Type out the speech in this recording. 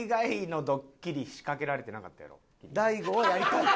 大悟はやりたいと。